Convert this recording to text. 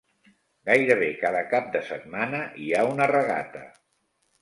Gairebé cada cap de setmana hi ha una regata.